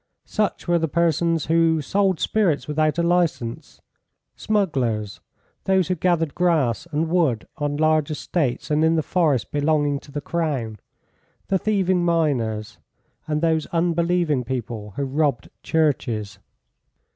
Such were the persons who sold spirits without a license, smugglers, those who gathered grass and wood on large estates and in the forests belonging to the Crown; the thieving miners; and those unbelieving people who robbed churches.